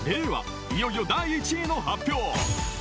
いよいよ第１位の発表］